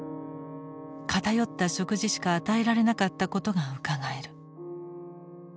偏った食事しか与えられなかったことがうかがえる。